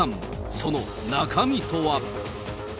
その中身とは。